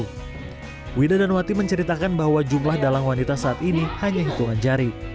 widawati dan widawati menceritakan bahwa jumlah dalang wanita saat ini hanya hitungan jari